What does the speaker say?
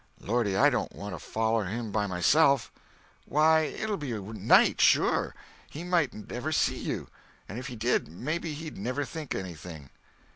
"Lordy, I don't want to foller him by myself!" "Why, it'll be night, sure. He mightn't ever see you—and if he did, maybe he'd never think anything."